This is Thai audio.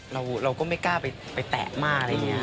เราก็ไม่กล้าไปแตะมากอะไรอย่างนี้